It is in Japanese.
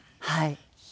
はい。